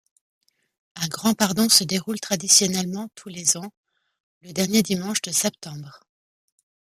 Un grand pardon se déroule traditionnellement tous les ans le dernier dimanche de septembre.